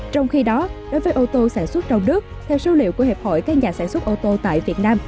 trong khi đó đối với ô tô sản xuất trong nước theo số liệu của hiệp hội các nhà sản xuất ô tô tại việt nam